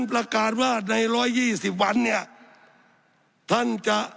สับขาหลอกกันไปสับขาหลอกกันไป